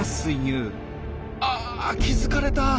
あ気付かれた！